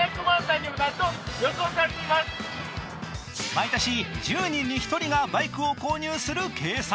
毎年１０人に１人がバイクを購入する計算。